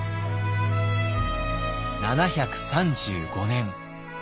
７３５年。